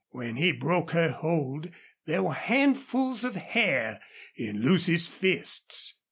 When he broke her hold there were handfuls of hair in Lucy's fists.